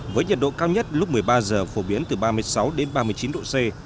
với nhiệt độ cao nhất lúc một mươi ba giờ phổ biến từ ba mươi sáu đến ba mươi chín độ c